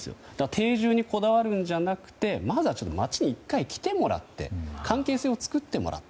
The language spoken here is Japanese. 定住にこだわるんじゃなくてまずは町に１回来てもらって関係性を作ってもらうと。